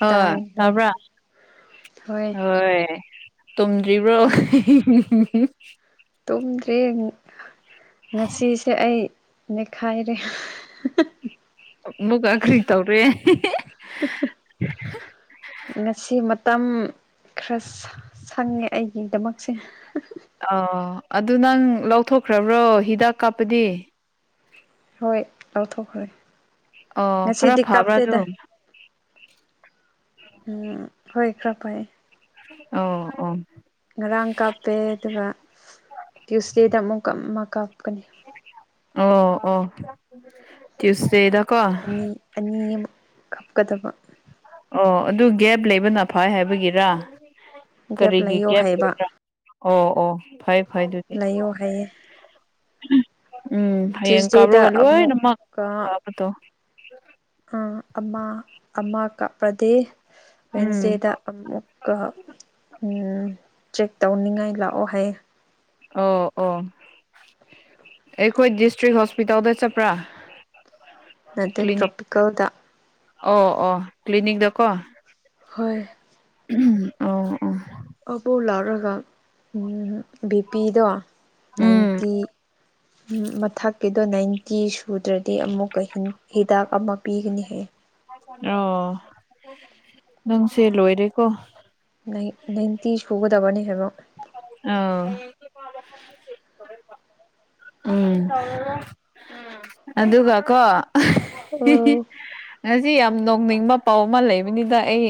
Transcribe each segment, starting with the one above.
ꯍꯣꯢ ꯇꯥꯏ ꯍꯣꯏ ꯇꯥꯕ꯭ꯔꯥ ꯍꯣꯏ ꯇꯨꯝꯗ꯭ꯔꯤꯕ꯭ꯔꯣ ꯇꯨꯝꯗ꯭ꯔꯤ ꯉꯁꯤꯁꯦ ꯑꯩ ꯅꯤꯛꯈꯥꯏꯔꯦ ꯑꯃꯨꯛꯀ ꯀꯔꯤ ꯇꯧꯔꯦ ꯉꯁꯤ ꯃꯇꯝ ꯈꯔ ꯁꯪꯉꯦ ꯑꯩꯒꯤꯗꯃꯛꯁꯦ ꯑ ꯑꯗꯨ ꯅꯪ ꯂꯧꯊꯣꯛꯈ꯭ꯔꯕ꯭ꯔꯣ ꯍꯤꯗꯥꯛ ꯀꯥꯞꯄꯗꯤ ꯍꯣꯏ ꯂꯧꯊꯣꯛꯈ꯭ꯔꯦ ꯑꯣ ꯈꯔ ꯉꯁꯤꯗꯤ ꯐꯕ꯭ꯔꯥ ꯑꯗꯨ ꯀꯥꯞꯇꯦꯗ ꯎꯝ ꯍꯣꯏ ꯈꯔ ꯐꯩꯌꯦ ꯑꯣ ꯑꯣ ꯉꯔꯥꯡ ꯀꯥꯞꯄꯦ ꯑꯗꯨꯒ ꯇ꯭ꯌꯨꯁꯗꯦꯗ ꯑꯃꯨꯛꯀ ꯑꯃ ꯀꯥꯞꯀꯅꯤ ꯑꯣ ꯑꯣ ꯇ꯭ꯌꯨꯨꯁꯗꯦꯗ ꯀꯣ ꯃꯤ ꯑꯅꯤ ꯑꯃ ꯀꯞꯀꯗꯕ ꯑꯣ ꯑꯗꯨ ꯒꯦꯞ ꯂꯩꯕꯅ ꯐꯩ ꯍꯥꯏꯕꯒꯤꯔ ꯒꯦꯞ ꯀꯔꯤꯒꯤ ꯂꯩꯌꯣ ꯒꯦꯞ ꯍꯥꯏꯕ ꯂꯩꯕ꯭ꯔꯥ ꯑꯣ ꯑꯣ ꯐꯩ ꯐꯩ ꯑꯗꯨꯗꯤ ꯂꯩꯌꯣ ꯍꯥꯏꯌꯦ ꯎꯝ ꯍꯌꯦꯡ ꯇ꯭ꯌꯨꯁꯗꯦꯗ ꯀꯥꯕ꯭ꯔꯣꯒ ꯂꯣꯢꯅꯃꯛ ꯑꯃꯨꯛꯀ ꯐꯥꯕꯗꯣ ꯑ ꯑꯃ ꯑꯃ ꯀꯥꯞꯄ꯭ꯔꯗꯤ ꯎꯝ ꯋꯦꯟꯁꯗꯦꯗ ꯑꯃꯨꯛꯀ ꯎꯝ ꯆꯦꯛ ꯇꯧꯅꯤꯡꯉꯥꯏ ꯂꯥꯛꯑꯣ ꯍꯥꯏꯌꯦ ꯑꯣ ꯑꯣ ꯑꯩꯈꯣꯏ ꯗꯤꯁꯇ꯭ꯔꯤꯛ ꯍꯣꯁꯄꯤꯇꯥꯜꯗ ꯆꯠꯄ꯭ꯔꯥ ꯅꯠꯇꯦ ꯀ꯭ꯂꯤꯅꯤꯛ ꯇ꯭ꯔꯣꯄꯤꯀꯦꯜꯗ ꯑꯣ ꯑꯣ ꯀ꯭ꯂꯤꯅꯤꯛꯗꯀꯣ ꯍꯣꯏ [unintelligible] ꯑꯣ ꯑꯣ ꯑꯕꯣꯛ ꯂꯥꯛꯔꯒ ꯎꯝ ꯕꯤ ꯄꯤ ꯗꯣ ꯎꯝ ꯅꯥꯏꯟꯇꯤ ꯃꯊꯛꯀꯤ ꯇꯣ ꯅꯥꯏꯟꯇꯤ ꯁꯨꯗ꯭ꯔꯗꯤ ꯑꯃꯨꯛꯀ ꯍꯤꯟ ꯍꯤꯗꯥꯛ ꯑꯃ ꯄꯤꯒꯅꯤ ꯍꯌꯦ ꯑꯣ ꯅꯪꯁꯦ ꯂꯣꯏꯔꯦꯀꯣ ꯅꯪꯒꯤ ꯅꯥꯏꯟꯇꯤ ꯁꯨꯒꯗꯕꯅꯦ ꯍꯥꯏꯕ ꯑꯥꯎ [unintelligible] ꯎꯝ ꯑꯗꯨꯒ ꯀꯣ ꯑꯣ [unintelligible] ꯉꯁꯤ ꯌꯥꯝ ꯅꯣꯛꯅꯤꯡꯕ ꯄꯥꯎ ꯑꯃ ꯂꯩꯕꯅꯤꯗ ꯑꯩ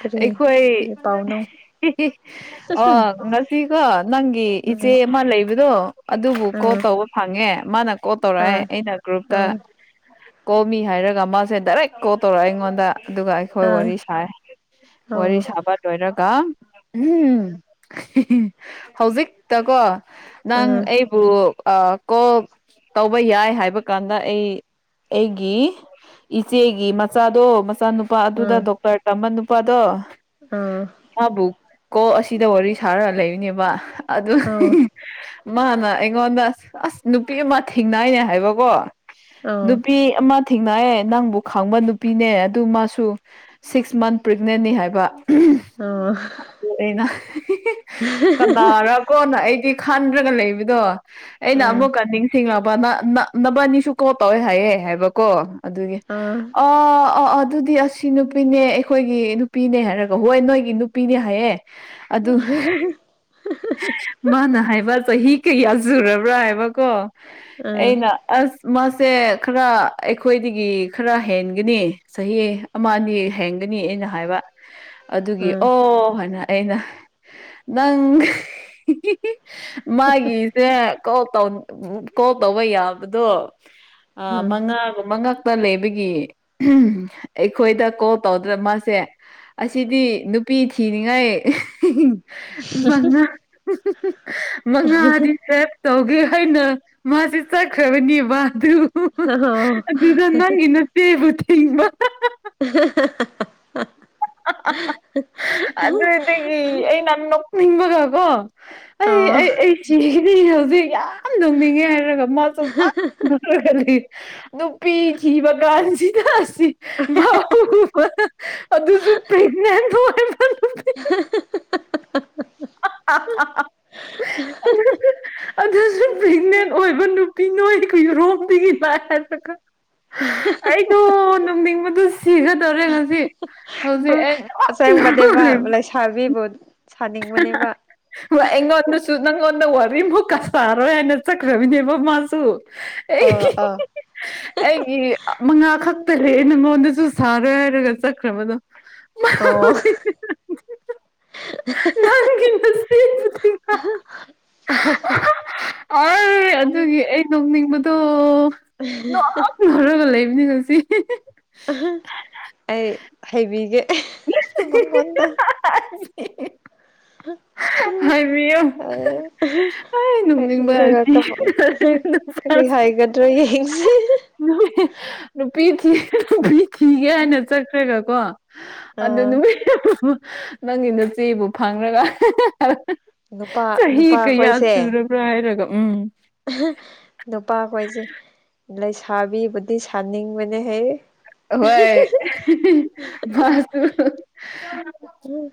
ꯀꯔꯤ ꯑꯩꯈꯣꯏ ꯀꯔꯤ ꯄꯥꯎꯅꯣ [unintelligible] ꯑꯣ ꯉꯁꯤꯀꯣ ꯅꯪꯒꯤ ꯏꯆꯦ ꯎꯝ ꯑꯃ ꯂꯩ ꯕꯗꯣ ꯑꯗꯨꯕꯨ ꯀꯣꯜ ꯎꯝ ꯇꯧꯕ ꯐꯪꯉꯦ ꯃꯥꯅ ꯀꯣꯜ ꯇꯧꯔꯛꯑꯦ ꯑꯥ ꯑꯩꯅ ꯒ꯭ꯔꯨꯞꯇ ꯑꯥ ꯀꯣꯜ ꯃꯤ ꯍꯥꯏꯔꯒ ꯃꯥꯁꯦ ꯗꯥꯏꯔꯦꯛ ꯀꯣꯜ ꯇꯧꯔꯛꯑꯦ ꯑꯩꯉꯣꯟꯗ ꯑꯗꯨꯒ ꯑꯩꯈꯣꯏ ꯑꯥ ꯋꯥꯔꯤ ꯁꯥꯏ ꯋꯥꯔꯤ ꯑꯥ ꯁꯥꯕ ꯂꯣꯏꯔꯒ ꯎꯝ [unintelligible] ꯍꯧꯖꯤꯛꯇꯀꯣ ꯅꯪ ꯑꯥ ꯑꯩ ꯕꯨ ꯑꯥ ꯀꯣꯜ ꯇꯧꯕ ꯌꯥꯏ ꯍꯥꯏꯕ ꯀꯥꯟꯗ ꯑꯩ ꯑꯩꯒꯤ ꯏꯆꯦꯒꯤ ꯃꯆꯥꯗꯣ ꯃꯆꯥꯅꯨꯄꯥ ꯑꯥ ꯑꯗꯨꯗ ꯗꯣꯛꯇꯔ ꯇꯝꯕ ꯅꯨꯄꯥꯗꯣ ꯑꯥ ꯃꯥꯕꯨꯀꯣ ꯑꯁꯤꯗ ꯋꯥꯔꯤ ꯁꯥꯔꯒ ꯂꯩꯕꯅꯦꯕ ꯑꯗꯨ ꯑꯥ ꯑꯥ ꯃꯥꯅ ꯑꯩꯉꯣꯟꯗ ꯑꯁ ꯅꯨꯄꯤ ꯑꯃ ꯊꯦꯡꯅꯩꯅꯦ ꯍꯥꯏꯕꯀꯣ ꯑꯥ ꯅꯨꯄꯤ ꯑꯃ ꯊꯦꯡꯅꯌꯦ ꯅꯪꯕꯨ ꯈꯪꯕ ꯅꯨꯄꯤꯅꯦ ꯑꯗꯨ ꯃꯥꯁꯨ ꯁꯤꯛꯁ ꯃꯟ ꯄ꯭ꯔꯦꯛꯅꯦꯟꯅꯤ ꯍꯥꯏꯕ ꯑꯣ ꯑꯩꯅ [unintelligible] ꯀꯅꯥꯔꯣꯀꯣꯅ ꯑꯩꯗꯤ ꯈꯟꯗ꯭ꯔꯒ ꯂꯩꯕꯗꯣ ꯑꯩꯅ ꯑꯥ ꯑꯃꯨꯛꯀ ꯅꯤꯡꯁꯤꯡꯉꯕ ꯅꯥ ꯅꯥ ꯅꯕꯥꯟꯅꯤꯁꯨ ꯀꯣꯜ ꯇꯧꯋꯦ ꯍꯥꯏꯌꯦ ꯍꯥꯏꯕꯀꯣ ꯑꯗꯨꯒꯤ ꯑꯥ ꯑꯣ ꯑꯣ ꯑꯣ ꯑꯗꯨꯗꯤ ꯑꯁꯤ ꯅꯨꯄꯤꯅꯦ ꯑꯩꯈꯣꯏꯒꯤ ꯅꯨꯄꯤꯅꯦ ꯍꯥꯏꯔꯒ ꯍꯣꯏ ꯅꯣꯏꯒꯤ ꯅꯨꯄꯤꯅꯦ ꯍꯥꯏꯌꯦ ꯑꯗꯨ [unintelligible] ꯃꯥꯅ ꯍꯥꯏꯕ ꯆꯍꯤ ꯀꯌꯥ ꯁꯨꯔꯕ꯭ꯔꯥ ꯍꯥꯏꯕꯀꯣ ꯑꯥ ꯑꯩꯅ ꯑꯁ ꯃꯥꯁꯦ ꯈꯔ ꯑꯩꯈꯣꯏꯗꯒꯤ ꯈꯔ ꯍꯦꯟꯒꯅꯤ ꯆꯍꯤ ꯑꯃ ꯑꯅꯤ ꯍꯦꯟꯒꯅꯤ ꯑꯩꯅ ꯍꯥꯏꯕ ꯑꯗꯨꯒꯤ ꯑꯥ ꯑꯣ ꯍꯥꯏꯅ ꯑꯩꯅ ꯅꯪ [unintelligible] ꯃꯥꯒꯤ [unintelligible] ꯀꯣꯜ ꯇꯧꯟ ꯀꯣꯜ ꯇꯧꯕ ꯌꯥꯕꯗꯣ ꯑ ꯑꯥ ꯃꯉꯥꯒ ꯃꯉꯛ ꯇ ꯂꯩꯕꯒꯤ ꯑꯩꯈꯣꯏꯗ ꯀꯣꯜ ꯇꯧꯗ꯭ꯔꯦ ꯃꯥꯁꯦ ꯑꯁꯤꯗꯤ ꯅꯨꯄꯤ ꯊꯤꯔꯤꯉꯩ ꯃꯉꯥ ꯃꯉꯥꯗꯤ ꯔꯦꯞ ꯇꯧꯒꯦ ꯍꯥꯏꯅ ꯃꯥꯁꯦ ꯆꯠꯈ꯭ꯔꯕꯅꯦ ꯃꯥ ꯑꯗꯨ ꯑꯣ ꯑꯗꯨꯗ ꯅꯪꯒꯤ ꯅꯆꯦꯕꯨ ꯊꯤꯡꯕ [unintelligible] ꯑꯗꯨꯗꯒꯤ ꯑꯩꯅ ꯅꯣꯛꯅꯤꯡꯕꯒ ꯀꯣ ꯑꯩ ꯑꯣ ꯑꯩ ꯑꯩ [unintelligible] ꯅꯤ ꯍꯧꯖꯤꯛ ꯌꯥ ꯌꯥꯝ ꯅꯣꯛꯅꯤꯡꯉꯦ ꯍꯥꯏꯔꯒ ꯃꯥꯁꯨ [unintelligible] ꯅꯣꯛꯔꯒ ꯂꯩ ꯅꯨꯄꯤ ꯊꯤꯕ ꯀꯥꯟꯁꯤꯗ [unintelligible] ꯃꯥ ꯎꯕꯗ ꯑꯗꯨꯁꯨ ꯄ꯭ꯔꯦꯛꯅꯦꯟ ꯑꯣꯏꯕ ꯅꯨꯄꯤ [unintelligible] [unintelligible] ꯑꯗꯨꯁꯨ ꯄ꯭ꯔꯦꯒꯅꯦꯟ ꯑꯣꯏꯕ ꯅꯨꯄꯤ ꯅꯣꯏꯒꯤ ꯔꯣꯝꯗꯒꯤ ꯂꯥꯑꯦ ꯍꯥꯏꯔꯒ ꯑꯩꯗꯣ ꯅꯣꯛꯅꯤꯡꯕꯗꯣ ꯁꯤꯒꯗꯧꯔꯦ ꯉꯁꯤ ꯍꯧꯖꯤꯛ ꯑꯩ ꯅꯣꯛ ꯅꯣꯛꯂꯤꯝ [unintelligible] ꯕꯤꯕꯨ ꯁꯥꯅꯤꯡꯕꯅꯦꯕ ꯍ‌ꯣꯏ ꯑꯩꯉꯣꯟꯗꯁꯨ ꯅꯪꯉꯣꯟꯗ ꯋꯥꯔꯤꯃꯨꯛꯀ ꯁꯥꯔꯣꯏ ꯍꯥꯏꯅ ꯆꯠꯈ꯭ꯔꯕꯅꯦꯕ ꯃꯥꯁꯨ ꯑꯣ ꯑꯩꯒꯤ ꯑꯥ ꯑꯩꯒꯤ ꯃꯉꯥ ꯈꯛꯇ ꯂꯩꯑꯦ ꯅꯪꯉꯣꯟꯗꯁꯨ ꯁꯥꯔꯣꯏ ꯍꯥꯏꯔꯒ ꯆꯠꯈ꯭ꯔꯕꯗꯣ ꯑꯣ ꯅꯪꯒꯤ ꯅꯆꯦꯗꯨꯗꯤ [unintelligible] ꯑꯥꯏ ꯑꯗꯨꯒꯤ ꯑꯩ ꯅꯣꯛꯅꯤꯡꯕꯗꯣ ꯅ‌ꯣꯑꯣ ꯅꯣꯛꯔꯒ ꯂꯩꯕꯅꯤ ꯉꯁꯤ ꯑꯩ ꯍꯩꯕꯤꯒꯦ ꯃꯥꯉꯣꯟꯗ [unintelligible] [unintelligible] ꯍꯥꯏꯕꯤꯌꯣ ꯑꯥꯏ ꯅꯣꯛꯅꯤꯡꯕ ꯍꯥꯏꯕꯤꯔꯒ ꯑꯁꯤ ꯀꯔꯤ [unintelligible] [unintelligible] ꯅꯨꯄꯤ ꯊꯤꯒꯦ ꯅꯨꯄꯤ ꯊꯤꯒꯦ ꯍꯥꯏꯅ ꯆꯠꯈ꯭ꯔꯒ ꯀꯣ ꯑꯗꯨ ꯑꯥ ꯅꯨ [unintelligible] ꯅꯪꯒꯤ ꯅꯆ‌ꯦꯕꯨ ꯐꯪꯔꯒ ꯅꯨꯄꯥ ꯆꯍꯤ ꯀꯌꯥ ꯅꯨꯄꯥꯈꯣꯏꯁꯦ ꯁꯨꯔꯕ꯭ꯔꯥ ꯍꯥꯏꯔꯒ ꯎꯝ ꯅꯨꯄꯥꯈꯣꯏꯁꯦ ꯂꯩꯁꯥꯕꯤꯕꯨꯗꯤ ꯁꯥꯅꯤꯡꯕꯅꯦꯍꯦ ꯑꯍꯣꯏ ꯃꯥꯁꯨ ꯎ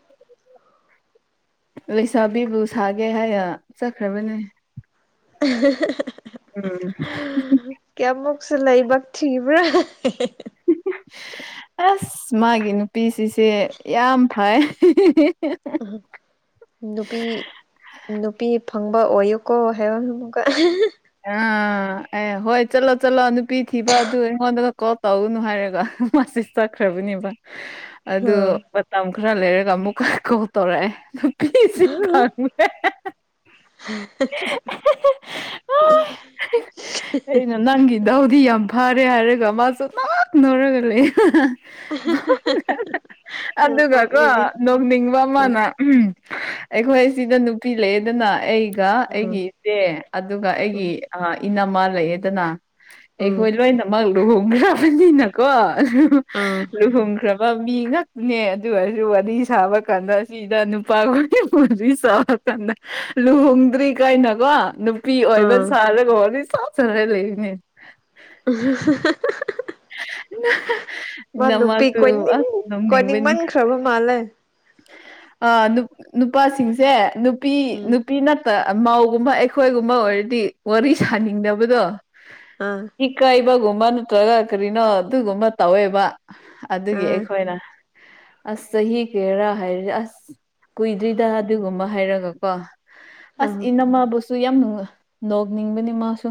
ꯂꯩꯁꯥꯕꯤꯕꯨ ꯁꯥꯒꯦ ꯍꯥꯏꯅ ꯆꯠꯈ꯭ꯔꯕꯅꯦ [unintelligible] ꯎꯝ ꯀꯌꯥꯃꯨꯛꯁꯨ ꯂꯥꯏꯕꯛ ꯊꯤꯕ꯭ꯔꯥ [unintelligible] ꯑꯁ ꯃꯥꯒꯤ ꯅꯨꯄꯤꯁꯤꯁꯦ ꯌꯥꯝ ꯐꯩ ꯍꯥ ꯅꯨꯄꯤ ꯅꯨꯄꯤ ꯐꯪꯕ ꯑꯣꯏꯌꯨꯀꯣ ꯍꯥꯏꯕ ꯑꯃꯨꯛꯀ ꯑꯥ ꯑꯦ ꯍꯣꯏ ꯆꯠꯂꯣ ꯆꯠꯂꯣ ꯅꯨꯄꯤ ꯊꯤꯕ ꯑꯗꯨ ꯑꯩꯉꯣꯟꯗꯒ ꯀꯣꯜ ꯇꯧꯒꯨꯅꯨ ꯍꯥꯏꯔꯒ ꯍꯥꯍꯥ ꯃꯥꯖꯤ ꯆꯠꯈ꯭ꯔꯕꯅꯦꯕ ꯑꯗꯨ ꯑꯥ ꯃꯇꯝ ꯈꯔ ꯂꯩꯔꯒ ꯑꯃꯨꯛꯀ ꯀꯣꯜ ꯇꯧꯔꯛꯑꯦ ꯀꯩꯁꯤ ꯈꯪꯗꯦ ꯑꯦꯍꯦꯍꯦ [unintelligible] ꯑꯩꯅ ꯅꯪꯒꯤ ꯗꯥꯎꯗꯤ ꯌꯥꯝ ꯐꯔꯦ ꯍꯥꯏꯔꯒ ꯃꯥꯁꯨ ꯅꯣꯛ ꯅꯣꯛꯔꯒ ꯂꯩ ꯑꯗꯨꯒꯀꯣ ꯇꯣꯛꯅꯤꯡꯉꯦ ꯅꯣꯡꯅꯤꯡꯕ ꯑꯃꯅ ꯎꯝ ꯑꯩꯈꯣꯏ ꯁꯤꯗ ꯅꯨꯄꯤ ꯂꯩꯑꯦꯗꯅ ꯑꯩꯒ ꯎꯝ ꯑꯩꯒꯤ ꯏꯆꯦ ꯑꯗꯨꯒ ꯎꯝ ꯑꯩꯒꯤ ꯑꯥ ꯏꯅꯝꯃ ꯂꯩꯌꯦꯗꯅ ꯎꯝ ꯑꯩꯈꯣꯏ ꯂꯣꯏꯅꯃꯛ ꯂꯨꯍꯣꯡꯈ꯭ꯔꯕꯅꯤꯅ ꯀꯣ ꯎꯝ ꯂꯨꯍꯣꯡꯈ꯭ꯔ ꯕ ꯃꯤ ꯉꯥꯛꯇꯅꯦ ꯑꯗꯨ ꯑꯣꯏꯔꯁꯨ ꯋꯥꯔꯤ ꯁꯥꯕ ꯀꯥꯟꯗ ꯑꯁꯤ ꯁꯤꯗ ꯅꯨꯄꯥ [unintelligible] ꯍꯧꯖꯤꯛ ꯁꯥꯎꯔꯛꯇ ꯂꯨꯍꯣꯡꯗ꯭ꯔꯤ ꯀꯥꯏꯅ ꯀꯣ ꯅꯨꯞ ꯅꯨꯄꯤ ꯑꯣꯏꯕ ꯎꯝ ꯁꯥꯔꯒ [unintelligible] ꯁꯥꯖꯔ ꯂꯩꯔꯤꯅꯦ ꯑꯍꯥꯍꯥꯍ [unintelligible] ꯍꯥꯍꯥ ꯅꯪꯃꯛꯁꯨ ꯀꯣꯏꯅꯤꯡ ꯑꯁ ꯅꯣꯛꯅꯤꯡꯕꯅꯤ ꯀꯣꯏꯅꯤꯡꯃꯟꯈ꯭ꯔꯕ ꯃꯥꯜꯂꯦ ꯑꯥ ꯅꯨ ꯅꯨꯄꯥꯁꯤꯡꯁꯦ ꯅꯨꯄꯤ ꯎꯝ ꯅꯨꯄꯤ ꯅꯠ ꯇ ꯑ ꯃꯧꯒꯨꯝꯕ ꯑꯩꯈꯣꯏꯒꯨꯝꯕ ꯑꯣꯏꯔꯗꯤ ꯋꯥꯔꯤ ꯁꯥꯅꯤꯡꯗꯕꯗꯣ ꯑꯥ ꯏꯀꯥꯏꯕꯒꯨꯝꯕ ꯅꯠꯇ꯭ꯔꯒ ꯀꯔꯤꯅꯣ ꯑꯗꯨꯒꯨꯝꯕ ꯇꯧꯋꯦꯕ ꯑꯗꯨꯒꯤ ꯑꯥ ꯑꯩꯈꯣꯏꯅ ꯑꯁ ꯆꯍꯤ ꯀ꯭ꯌꯥꯔꯥ ꯍꯥꯏꯔ ꯑꯁ ꯀꯨꯏꯗ꯭ꯔꯤꯗ ꯑꯗꯨꯒꯨꯝꯕ ꯍꯥꯏꯔꯒ ꯀꯣ ꯑꯁ ꯑꯥ ꯏꯅꯝꯃꯕꯨꯁ ꯁꯨ ꯌꯥꯝ ꯅꯣꯡ ꯅꯣꯛꯅꯤꯡꯕꯅꯤ ꯃꯥꯁꯨ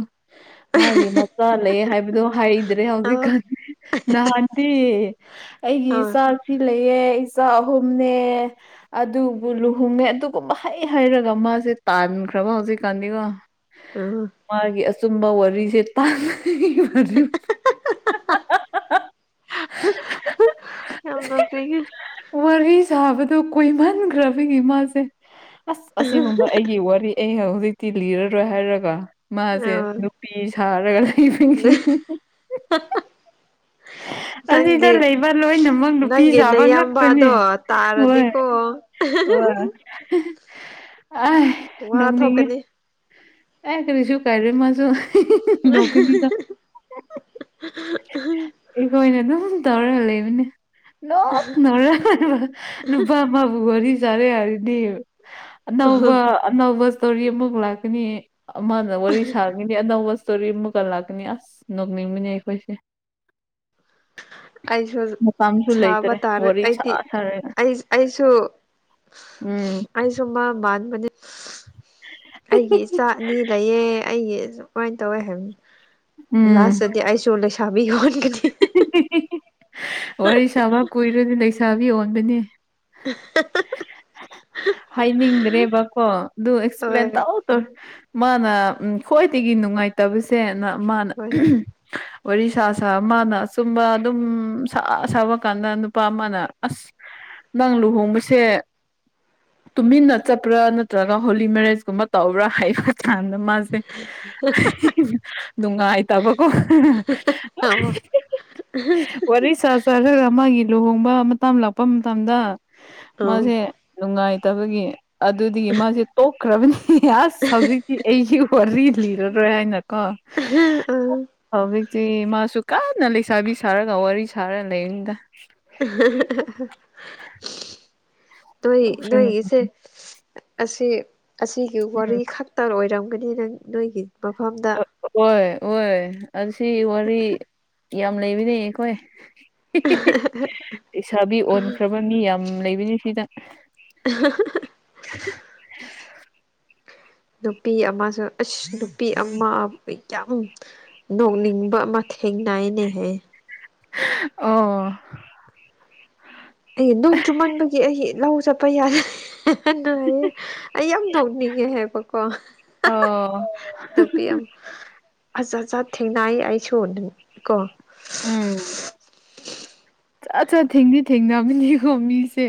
ꯃꯥꯒꯤ ꯃꯆꯥ ꯂꯩ ꯍꯥꯏꯕꯗꯣ ꯍꯥꯏ ꯗ꯭ꯔꯦ ꯑꯥ ꯍꯧꯖꯤꯛꯀꯥꯟ ꯅꯍꯥꯟꯇꯤ ꯑꯩꯒꯤ ꯑꯥ ꯏꯆꯥꯁꯤ ꯂꯩꯌꯦ ꯏꯆꯥ ꯑꯍꯨꯝꯅꯦ ꯑꯗꯨꯕꯨ ꯂꯨꯍꯣꯡꯉꯦ ꯑꯗꯨꯒꯨꯝꯕ ꯍꯩ ꯍꯩꯔꯒ ꯃꯥꯁꯦ ꯇꯥꯟꯈ꯭ꯔꯕ ꯍꯧꯖꯤꯛꯀꯥꯟꯗꯤꯀꯣ [inaudible] ꯎꯝ ꯃꯥꯒꯤ ꯑꯆꯨꯝꯕ ꯋꯥꯔꯤꯁꯦ ꯇꯥꯟ [unintelligible] [unintelligible] ꯍꯨꯍ ꯍꯨꯍ ꯌꯥꯝ ꯅꯣꯛꯅꯤꯡꯉꯦ ꯋꯥꯔꯤ ꯁꯥꯕꯗꯣ ꯀꯣꯏꯃꯟꯈ꯭ꯔꯕꯒꯤ ꯃꯥꯁꯦ ꯑꯁ ꯑꯁꯤꯒꯨꯝꯕ ꯑꯩꯒꯤ ꯋꯥꯔꯤ ꯑꯩ ꯍꯧꯖꯤꯛꯇꯤ ꯂꯤꯔꯔꯣꯏ ꯍꯥꯏꯔꯒ ꯃꯥꯁꯦ ꯑꯥ ꯅꯨꯄꯤ ꯁꯥꯔꯒ ꯂꯩꯕ ꯍꯤꯍꯤꯍꯤ ꯍꯥꯍꯥ ꯑꯁꯤꯗ ꯂꯩꯕ ꯂꯣꯏꯅꯃꯛ ꯅꯨꯄꯤ ꯅꯪꯒꯤ ꯁꯥꯕ ꯉꯥꯛꯇꯅꯦ ꯅꯌꯥꯝꯕꯗꯣ ꯃꯣꯏ ꯇꯥꯔꯗꯤꯀꯣ ꯍꯣꯏ ꯍꯤꯍꯤ ꯑꯥꯏ ꯋꯥ ꯅꯣꯛꯅꯤꯡꯉꯦ ꯊꯣꯛꯀꯅꯤ ꯑꯦ ꯀꯔꯤꯁꯨꯨ ꯀꯥꯏꯔꯣꯏ ꯃꯥꯖꯨ [unintelligible] ꯑꯩꯈꯣꯏꯅ ꯑꯗꯨꯝ ꯇꯧꯔꯒ ꯂꯩꯕꯅꯦ ꯅꯣꯛ ꯅꯧꯔ ꯂꯩꯕ ꯅꯨꯄꯥ ꯑꯃꯕꯨ ꯋꯥꯔꯤ ꯁꯥꯔꯦ ꯍꯥꯏꯔꯗꯤ ꯑꯅꯧꯕ ꯑꯅꯧꯕ ꯏꯁꯇꯣꯔꯤ ꯑꯃ ꯑꯃꯨꯛ ꯂꯥꯛꯀꯅꯤ ꯑꯃꯥꯅ ꯋꯥꯔꯤ ꯁꯥꯅꯤꯡ ꯃꯤ ꯑꯅꯧꯕ ꯏꯁꯇꯣꯔꯤ ꯑꯃꯨꯛꯀ ꯂꯥꯛꯀꯅꯤ ꯑꯁ ꯅꯣꯛꯅꯤꯡꯕꯅꯦ ꯑꯩꯈꯣꯏꯁꯦ ꯑꯩꯁꯨ ꯃꯇꯝꯁꯨ ꯁꯥꯕ ꯂꯩꯇ꯭ꯔꯦ ꯇꯥꯔꯦ ꯋꯥꯔꯤ ꯁꯥ ꯑꯩꯗꯤ ꯁꯥꯔꯒ ꯑꯩ ꯑꯩꯁꯨ ꯎꯝ ꯑꯩꯁꯨ ꯃꯥ ꯃꯥꯟꯕꯅꯦ ꯑꯩꯒꯤ ꯏꯆꯥ ꯑꯅꯤ ꯂꯩꯌꯦ ꯑꯩꯒꯤ ꯑꯁꯨꯃꯥꯏꯟ ꯇꯧꯋꯦ ꯍꯥꯏꯝꯅꯤ ꯎꯝ ꯂꯥꯁꯇꯗꯤ ꯑꯩꯁꯨ ꯂꯩꯁꯥꯕꯤ ꯑꯣꯟꯒꯅꯤ꯫ [unintelligible] ꯋꯥꯔꯤ ꯁꯥꯕ ꯀꯨꯏꯔꯗꯤ ꯂꯩꯁꯥꯕꯤ ꯑꯣꯟꯕꯅꯦ [unintelligible] ꯍꯥꯏꯅꯤꯡꯗ꯭ꯔꯦꯕꯀꯣ ꯑꯗꯨ ꯑꯦꯛꯁꯄ꯭ꯂꯦꯟ ꯍꯣꯏ ꯇꯧꯇꯧ ꯃꯥꯅ ꯎꯝ ꯈ꯭ꯋꯥꯏꯗꯒꯤ ꯅꯨꯡꯉꯥꯏꯇꯕꯁꯦꯅ ꯃꯥꯅ ꯍꯣꯏ ꯋꯥꯔꯤ ꯁꯥ ꯁꯥ ꯃꯥꯅ ꯑꯆꯨꯝꯕ ꯑꯗꯨꯝ ꯁꯥ ꯁꯥꯕ ꯀꯥꯟꯗ ꯅꯨꯄꯥ ꯑꯃꯥꯅ ꯑꯁ ꯅꯪ ꯂꯨꯍꯣꯡꯕꯁꯦ ꯇꯨꯃꯤꯟꯅ ꯆꯠꯄ꯭ꯔꯥ ꯅꯠꯇ꯭ꯔꯒ ꯍꯣꯂꯤ ꯃꯦꯔꯦꯖꯀꯨꯝꯕ ꯇꯧꯕ꯭ꯔꯥ ꯍꯥꯏꯕ ꯀꯥꯟꯗ ꯃꯥꯖꯦ [unintelligible] ꯅꯨꯡꯉꯥꯏ ꯇꯕꯀꯣ ꯑ [unintelligible] ꯋꯥꯔꯤ ꯁꯥ ꯁꯥꯔꯒ ꯃꯥꯒꯤ ꯂꯨꯍꯣꯡꯕ ꯃꯇꯝ ꯂꯥꯛꯄ ꯃꯇꯝꯗ ꯃꯥꯁꯦ ꯅꯨꯡꯉꯥꯏꯇꯕꯒꯤ ꯑꯗꯨꯗꯒꯤ ꯃꯥꯁꯦ ꯇꯣꯛꯈ꯭ꯔꯕꯅꯤ ꯑꯁ ꯍꯧꯖꯤꯛꯇꯤ ꯑꯩꯒꯤ ꯋꯥꯔꯤ ꯂꯤꯔꯔꯣꯏ ꯍꯥꯏꯅ ꯀꯣ ꯍꯧꯖꯤꯛꯇꯤ ꯃꯥꯁꯨ ꯀꯥꯟꯅ ꯂꯩꯁꯥꯕꯤ ꯁꯥꯔꯒ ꯋꯥꯔꯤ ꯁꯥꯔ ꯂꯩꯔꯤꯗ꯫ [unintelligible] ꯅꯣꯏ ꯎꯝ ꯅꯣꯏꯒꯤꯁꯦ ꯑꯁꯤ ꯑꯁꯤꯒꯤ ꯋꯥꯔꯤ ꯈꯛ ꯇꯔ ꯑꯣꯏꯔꯝꯒꯅꯤ ꯅꯪ ꯅꯣꯏꯒꯤ ꯃꯐꯝꯗ ꯑꯣꯏ ꯑꯣꯏ ꯑꯁꯤ ꯋꯥꯔꯤ ꯌꯥꯝ ꯂꯩꯕꯅꯦ ꯑꯩꯈꯣꯏ [unintelligible] ꯂꯩꯁꯥꯕꯤ ꯑꯣꯟꯈ꯭ꯔꯕ ꯃꯤ ꯌꯥꯝ ꯂꯩꯕꯅꯤ ꯁꯤꯗ꯫ [unintelligible] [unintelligible] ꯅꯨꯄꯤ ꯑꯃꯥꯁꯨ ꯑꯁ ꯅꯨꯄꯤ ꯑꯃꯥ ꯑꯝ ꯌꯥꯝ ꯅꯣꯛꯅꯤꯡꯕ ꯑꯃꯥ ꯊꯦꯡꯅꯥꯏꯅꯦꯍꯦ꯫ ꯑꯣ ꯑꯩꯒꯤ ꯅꯣꯡ ꯆꯨꯃꯟꯕꯒꯤ ꯑꯩꯒꯤ ꯂꯧ ꯆꯠꯄ ꯌꯥ ꯍꯟꯅ ꯍꯥꯏꯌꯦ ꯑꯩ ꯌꯥꯝ ꯅꯣꯛꯅꯤꯡꯉꯦ ꯍꯥꯏꯕꯀꯣ ꯑꯣ ꯅꯨꯄꯤ ꯑꯝ ꯑꯖꯥꯠꯖꯥꯠ ꯊꯦꯡꯅꯥꯏꯌꯦ ꯑꯩꯁꯨ ꯀꯣ ꯎꯝ ꯆꯥꯠ ꯆꯥꯠ ꯊꯦꯡꯗꯤ ꯊꯦꯡꯅꯃꯅꯤꯀꯣ ꯃꯤꯁꯦ꯫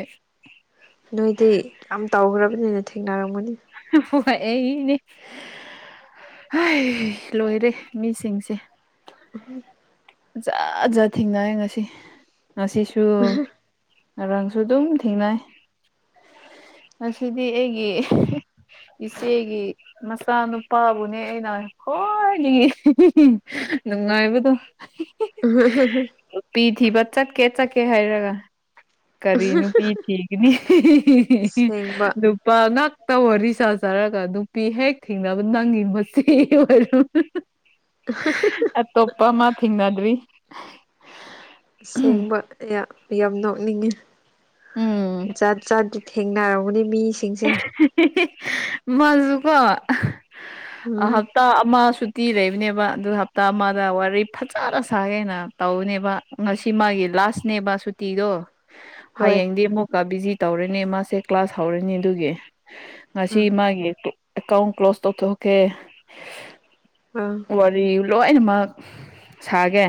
ꯅꯣꯏꯗꯤ ꯌꯥꯝ ꯇꯧꯒ꯭ꯔꯝꯕꯅꯤꯅ ꯊꯦꯡꯅꯔꯝꯒꯅꯤ꯫ ꯍꯣꯏ ꯑꯩꯅꯦ ꯍꯩ ꯂꯣꯏꯔꯦ ꯃꯤꯁꯤꯡꯁꯦ [unintelligible] ꯖꯥ ꯖꯥꯠ ꯊꯦꯡꯅꯩꯌꯦ ꯉꯁꯤ ꯉꯁꯤꯁꯨ ꯉꯔꯥꯡꯁꯨ ꯑꯗꯨꯝ ꯊꯦꯡꯅꯥꯏ ꯑꯁꯤꯗꯤ ꯑꯩꯒꯤ ꯏꯆꯦꯒꯤ ꯃꯆꯥꯅꯨꯄꯥꯕꯨꯅꯦ ꯑꯩꯅ ꯈ꯭ꯋꯥꯏꯗꯒꯤ ꯅꯨꯡꯉꯥꯏꯕꯗꯣ [unintelligible] ꯅꯨꯄꯤ ꯊꯤꯕ ꯆꯠꯀꯦ ꯆꯠꯀꯦ ꯍꯥꯏꯔꯒ ꯀꯔꯤ ꯅꯨꯄꯤ ꯊꯤꯒꯅꯤ ꯑꯁꯦꯡꯕ ꯑꯗꯨꯞ ꯅꯨꯄꯥ ꯉꯥꯛꯇ ꯋꯥꯔꯤ ꯁꯥ ꯁꯥꯔꯒ ꯅꯨꯄꯤ ꯍꯦꯛ ꯊꯦꯡꯅꯕ ꯅꯪꯒꯤ ꯃꯆꯦ ꯑꯣꯏꯔꯝ ꯑꯇꯣꯞꯄꯃꯥ ꯊꯦꯡꯅꯗ꯭ꯔꯤ ꯑꯁꯦꯡꯕ ꯌꯥꯝ ꯌꯥꯝ ꯅꯣꯛꯅꯤꯡꯉꯦ ꯎꯝ ꯖꯥꯠ ꯖꯥꯠꯗꯤ ꯊꯦꯡꯅꯔꯕꯅꯦ ꯃꯤꯁꯤꯡꯁꯦ ꯍꯦꯍꯦꯍꯦ ꯃꯥꯖꯨ ꯀꯣ ꯎꯝ ꯑꯍꯛ ꯍꯞꯇꯥ ꯑꯃ ꯁꯨꯇꯤ ꯂꯩꯕꯅꯦꯕ ꯑꯗꯨ ꯍꯞꯇꯥ ꯑꯃꯗ ꯋꯥꯔꯤ ꯐꯖꯅ ꯁꯥꯒꯦꯅ ꯇꯧꯅꯦꯕ ꯉꯁꯤ ꯃꯥꯒꯤ ꯂꯥꯁꯅꯦꯕ ꯁꯨꯇꯤꯗꯣ ꯍꯣꯏ ꯍꯌꯦꯡꯗꯤ ꯑꯃꯨꯛꯀ ꯕꯤꯖꯤ ꯇꯧꯔꯅꯤ ꯃꯥꯁꯦ ꯀ꯭ꯂꯥꯁ ꯍꯧꯔꯅꯤ ꯑꯗꯨꯒꯤ ꯉꯁꯤ ꯑꯥ ꯃꯥꯒꯤ [unintelligible] ꯑꯦꯀꯥꯎꯟ ꯀ꯭ꯂꯣꯖ ꯇꯧꯊꯣꯛꯀꯦ ꯑꯥ ꯋꯥꯔꯤ ꯂꯣꯏꯅꯃꯛ ꯁꯥꯒꯦ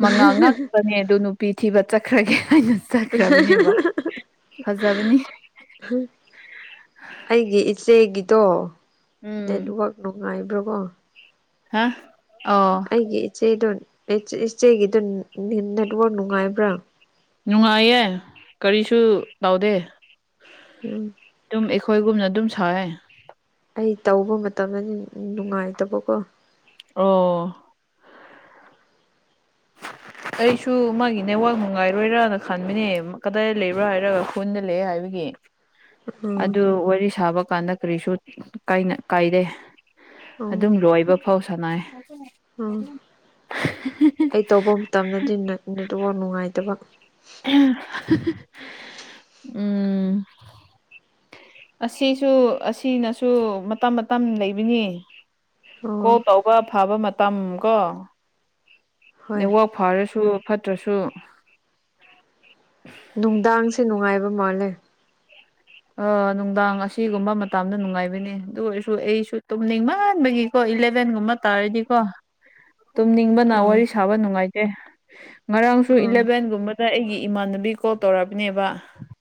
ꯃꯉꯥ ꯉꯥꯛꯄꯅꯦ ꯑꯗꯨ ꯅꯨꯄꯤ ꯊꯤꯕ ꯆꯠꯈ꯭ꯔꯒꯦ ꯍꯥꯏꯅ ꯆꯠꯈ꯭ꯔꯕꯅꯦꯕ ꯐꯖꯕꯅꯦ ꯍꯨꯝ ꯑꯩꯒꯤ ꯏꯆꯦꯒꯤꯗꯣ ꯎꯝ ꯅꯦꯠꯋꯥꯛ ꯅꯨꯡꯉꯥꯏꯕ꯭ꯔꯣꯒꯣ ꯍꯥ ꯑꯧ ꯑꯩꯒꯤ ꯏꯆꯦꯗꯣ ꯑꯦꯆꯦ ꯏꯆꯦꯒꯤꯗꯣ ꯅꯦ ꯅꯦꯠꯋꯥꯛ ꯅꯨꯡꯉꯥꯏꯕ꯭ꯔꯥ ꯅꯨꯡꯉꯥꯏꯌꯦ ꯀꯔꯤꯁꯨ ꯇꯧꯗꯦ ꯎꯝ ꯗꯨꯝ ꯑꯩꯈꯣꯏꯒꯨꯝꯅ ꯑꯗꯨꯝ ꯁꯥꯢꯌꯦ ꯑꯩ ꯇꯧꯕ ꯃꯇꯝꯗꯗꯤ ꯅꯨꯡꯉꯥꯏꯇꯕꯀꯣ ꯑꯣ ꯑꯩꯁꯨ ꯃꯥꯒꯤ ꯅꯦꯠꯋꯥꯛ ꯅꯨꯡꯉꯥꯏꯔꯣꯏꯔꯅ ꯈꯟꯕꯅꯦ ꯀꯗꯥꯏ ꯂꯩꯕ꯭ꯔꯥ ꯍꯥꯏꯔꯒ ꯈꯨꯟꯗ ꯂꯩꯌꯦ ꯍꯥꯏꯕꯒꯤ ꯎꯝ ꯑꯗꯨ ꯋꯥꯔꯤ ꯁꯥꯕ ꯀꯥꯟꯗ ꯀꯔꯤꯁꯨ ꯀꯥꯏꯅ ꯀꯥꯢꯗꯦ ꯎꯝ ꯑꯗꯨꯝ ꯂꯣꯏꯕꯐꯥꯎ ꯁꯥꯟꯅꯩ ꯎꯝ [unintelligible] ꯇꯝꯗꯗꯤ ꯅꯦ ꯅꯦꯠꯋꯥꯛ ꯅꯨꯡꯉꯥꯏꯇꯕ [unintelligible] ꯎꯝ ꯑꯁꯤꯁꯨ ꯑꯁꯤꯅꯁꯨ ꯃꯇꯝ ꯃꯇꯝ ꯂꯩꯕꯅꯦ ꯀꯣꯜ ꯑꯣ ꯇꯧꯕ ꯐꯕ ꯃꯇꯝ ꯀꯣ ꯍꯣꯏ ꯅꯦꯠꯋꯥꯛ ꯐꯔꯁꯨ ꯐꯠꯇ꯭ꯔꯁꯨ ꯅꯨꯡꯗꯥꯡꯁꯦ ꯅꯨꯡꯉꯥꯏꯕ ꯃꯥꯜꯂꯦ ꯑꯥ ꯅꯨꯡꯗꯥꯡ ꯑꯁꯤꯒꯨꯝꯕ ꯃꯇꯝꯗ ꯅꯨꯡꯉꯥꯏꯕꯅꯦ ꯑꯗꯨ ꯑꯣꯏꯔꯁꯨ ꯑꯩꯁꯨ ꯇꯨꯝꯅꯤꯡꯃꯟꯕꯒꯤ ꯍꯣꯢ ꯏꯂꯦꯚꯦꯟꯒꯨꯝꯕ ꯇꯥꯔꯗꯤꯀꯣ ꯇꯨꯝꯅꯤꯡꯕꯅ ꯎꯝ ꯋꯥꯔꯤ ꯁꯥꯕ ꯅꯨꯡꯉꯥꯏꯇꯦ ꯉꯔꯥꯡꯁꯨ ꯎꯝ ꯏꯂꯚꯦꯟꯒꯨꯝꯕ ꯑꯗ ꯑꯩꯒꯤ ꯏꯃꯥꯟꯅꯕꯤ ꯀꯣꯜ ꯇꯧꯔꯛꯄꯅꯦꯕ